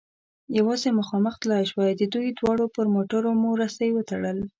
یوازې مخامخ تلای شوای، د دوی دواړو پر موټرو مو رسۍ و تړل.